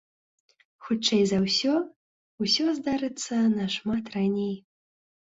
Хутчэй за ўсё, усё здарыцца нашмат раней.